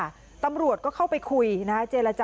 พูดสิทธิ์ข่าวบอกว่าพอพระรูปนี้เห็นเครื่องแบบตำรวจอะ